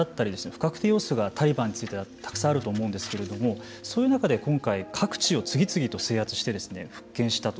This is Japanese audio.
不確定要素がタリバンについてはたくさんあると思うんですけれどもそういう中で今回各地を次々と制圧してですね復権したと。